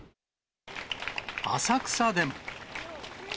浅草でも。